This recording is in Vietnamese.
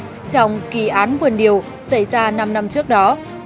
trong kỳ án vườn điều xảy ra năm năm trước đó